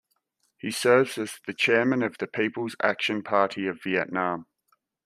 He serves as the Chairman of the People's Action Party of Vietnam.